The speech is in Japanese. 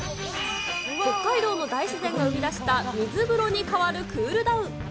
北海道の大自然が生み出した水風呂に代わるクールダウン。